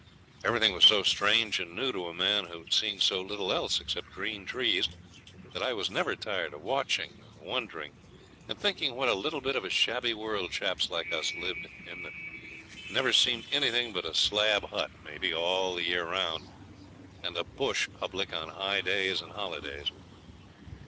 Everything was so strange and new to a man who'd seen so little else except green trees that I was never tired of watching, and wondering, and thinking what a little bit of a shabby world chaps like us lived in that never seen anything but a slab hut, maybe, all the year round, and a bush public on high days and holidays.